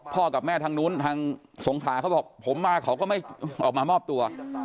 กับแม่ทางนู้นทางสงขาเขาบอกผมมาเขาก็ไม่ออกมามอบตัว